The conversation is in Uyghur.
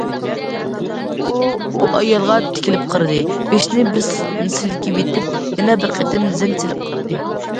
ئۇ ئۇ ئايالغا تىكىلىپ قارىدى، بېشىنى بىر سىلكىۋېتىپ يەنە بىر قېتىم زەن سېلىپ قارىدى.